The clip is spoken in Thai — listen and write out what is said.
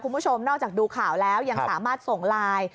คุณผู้ชมนอกจากดูข่าวแล้วยังสามารถส่งไลน์